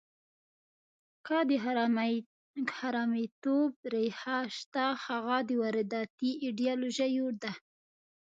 که د حرامیتوب ریښه شته، هغه د وارداتي ایډیالوژیو ده.